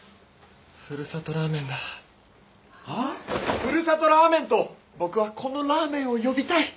ふるさとラーメンと僕はこのラーメンを呼びたい！